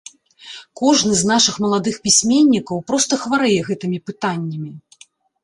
Кожны з нашых маладых пісьменнікаў проста хварэе гэтымі пытаннямі.